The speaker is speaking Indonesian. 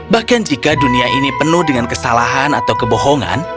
bahkan jika dunia ini penuh dengan kesalahan atau kebohongan